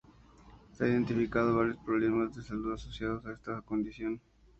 Se han identificado varios problemas de salud asociados a esta condición.